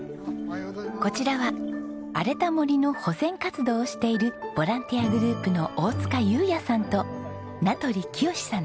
こちらは荒れた森の保全活動をしているボランティアグループの大塚裕也さんと名取洋さんです。